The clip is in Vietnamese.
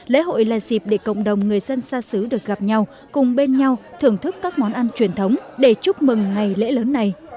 lễ hội là dịp để cộng đồng người dân xa xứ được gặp nhau cùng bên nhau thưởng thức các món ăn truyền thống để chúc mừng ngày lễ lớn này